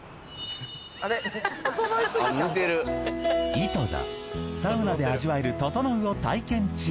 井戸田サウナで味わえるととのうを体験中。